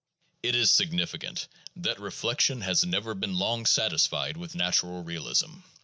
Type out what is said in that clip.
It is significant that reflection has never been long satisfied with "natural" realism.